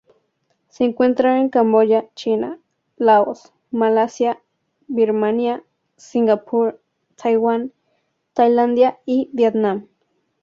Se encuentra en Camboya, China, Laos, Malasia, Birmania, Singapur, Taiwán, Tailandia y Vietnam.